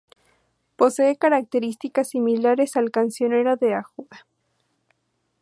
Posee características similares al Cancionero de Ajuda.